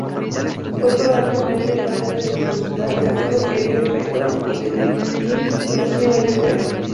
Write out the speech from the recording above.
Fue probablemente padre del consular Cayo Elio Peto y del edil Lucio Elio Peto.